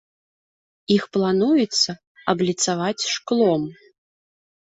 Іх плануецца абліцаваць шклом.